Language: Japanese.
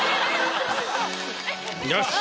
よし。